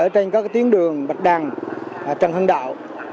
trên các tuyến đường bạch đằng trần hưng đạo